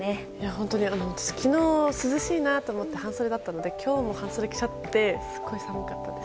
本当に昨日、涼しいなと思って半袖だったので今日も半袖着ちゃってすごい寒かったです。